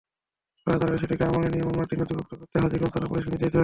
পরে আদালত সেটিকে আমলে নিয়ে মামলাটি নথিভুক্ত করতে হাজীগঞ্জ থানা-পুলিশকে নির্দেশ দেন।